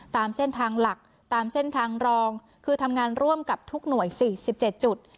ตามเส้นทางหลักตามเส้นทางรองคือทำงานร่วมกับทุกหน่วย๔๗จุด